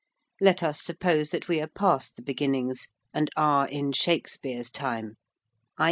Let us suppose that we are past the beginnings and are in Shakespeare's time i.